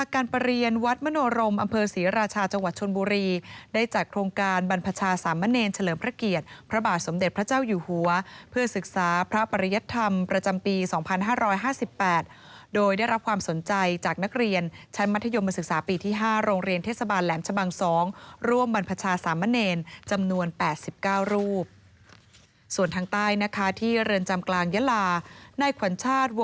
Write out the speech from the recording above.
กันบุรีได้จากโครงการบรรพชาสามเณรเฉลิมพระเกียรติพระบาทสมเด็จพระเจ้าอยู่หัวเพื่อศึกษาพระปริยธรรมประจำปี๒๕๕๘โดยได้รับความสนใจจากนักเรียนชั้นมัธยมศึกษาปีที่๕โรงเรียนเทศบาลแหลมชะบัง๒ร่วมบรรพชาสามเณรจำนวน๘๙รูปส่วนทางใต้นะคะที่เรือนจำกลางยะลาในขวัญชาต